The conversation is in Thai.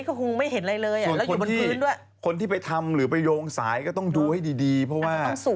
ดูในพยากรกาศเขียนแล้วถึงวันที่๗เลยค่ะ